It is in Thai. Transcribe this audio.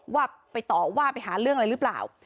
ว่าไปต่อว่าไปหาเรื่องอะไรหรือเปล่า